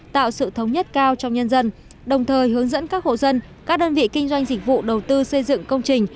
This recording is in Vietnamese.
tạo sự thống nhất cao trong nhân dân đồng thời hướng dẫn các hộ dân các đơn vị kinh doanh dịch vụ đầu tư xây dựng công trình